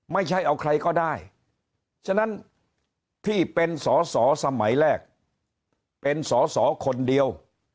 ไม่ใช่เอาใครก็ได้ฉะนั้นที่เป็นสอสอสมัยแรกเป็นสอสอคนเดียว